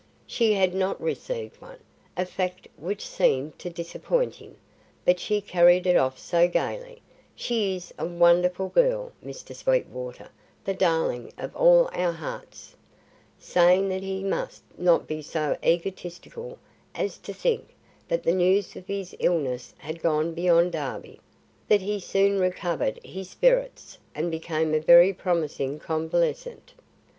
She had not received one, a fact which seemed to disappoint him; but she carried it off so gaily (she is a wonderful girl, Mr. Sweetwater the darling of all our hearts), saying that he must not be so egotistical as to think that the news of his illness had gone beyond Derby, that he soon recovered his spirits and became a very promising convalescent.